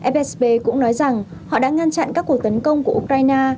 fsb cũng nói rằng họ đã ngăn chặn các cuộc tấn công của ukraine